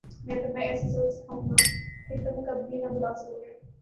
میں تمہیں ایسا سبق سکھاؤں گا کہ تم کبھی نہ بھلا سکو گے